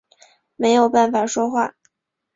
没有办法说话